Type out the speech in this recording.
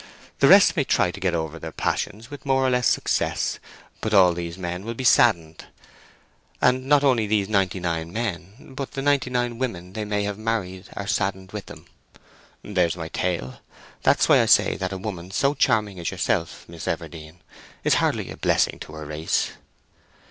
The rest may try to get over their passion with more or less success. But all these men will be saddened. And not only those ninety nine men, but the ninety nine women they might have married are saddened with them. There's my tale. That's why I say that a woman so charming as yourself, Miss Everdene, is hardly a blessing to her race."